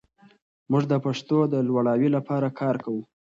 موږ د پښتو د لوړاوي لپاره کار کوو.